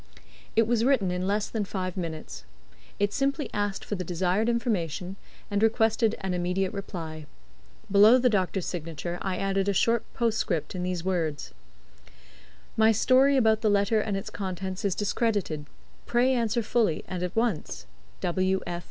It was written in less than five minutes. It simply asked for the desired information, and requested an immediate reply. Below the doctor's signature I added a short postscript in these words: "My story about the letter and its contents is discredited. Pray answer fully, and at once.